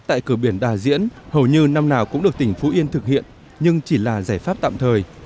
tại cửa biển đà diễn hầu như năm nào cũng được tỉnh phú yên thực hiện nhưng chỉ là giải pháp tạm thời